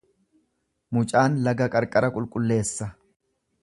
Mucaan laga qarqara qulqulleessa.